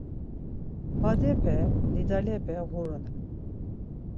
Badepe, didalepe ğurunan.